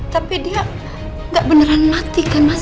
tapi dia nggak beneran mati kan mas